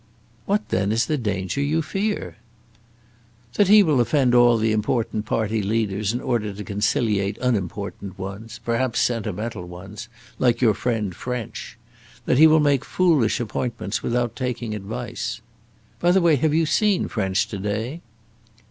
"What, then, is the danger you fear?" "That he will offend all the important party leaders in order to conciliate unimportant ones, perhaps sentimental ones, like your friend French; that he will make foolish appointments without taking advice. By the way, have you seen French to day?"